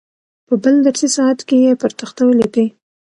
په بل درسي ساعت کې یې پر تخته ولیکئ.